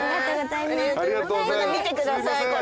見てくださいこれ。